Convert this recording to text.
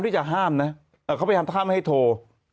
ที่จะห้ามนะเขาพยายามห้ามไม่ให้โทร